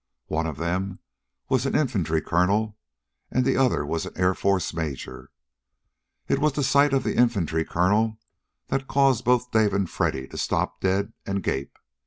One of them was an infantry colonel, and the other was an Air Forces major. It was sight of the infantry colonel that caused both Dave and Freddy to stop dead, and gape.